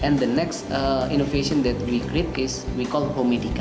dan inovasi berikutnya yang kita kreasi adalah yang kita panggil homedica